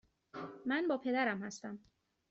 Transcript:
من با پدرم هستم.